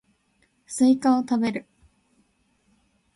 スイカを食べる